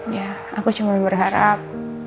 iya aku cuma berharap